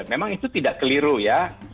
memang itu tidak keliru ya